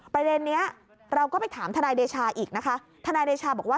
ประเด็นนี้เราก็ไปถามธนายเดชาอีกนะคะ